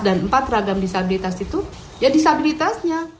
dan empat ragam disabilitas itu ya disabilitasnya